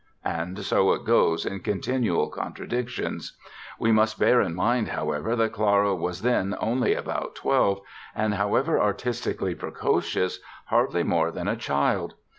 And so it goes in continual contradiction. We must bear in mind, however, that Clara was then only about 12 and, however artistically precocious, hardly more than a child.